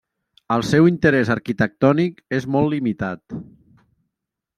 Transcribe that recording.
El seu interès arquitectònic és molt limitat.